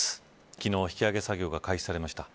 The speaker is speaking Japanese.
昨日、引き揚げ作業が開始されました。